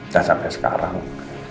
dan sampai sekarang